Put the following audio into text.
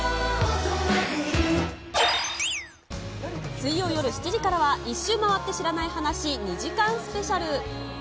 水曜夜７時からは１周回って知らない話２時間スペシャル。